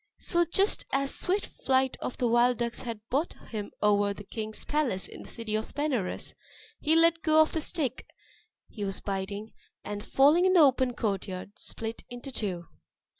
So just as the swift flight of the wild ducks had brought him over the king's palace in the city of Benares, he let go of the stick he was biting, and falling in the open courtyard, split in two!